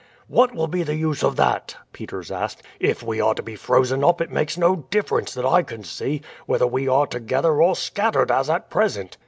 "What will be the use of that?" Peters asked. "If we are to be frozen up it makes no difference that I can see, whether we are together or scattered as at present."